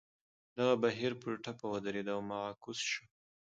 دغه بهیر په ټپه ودرېد او معکوس شو.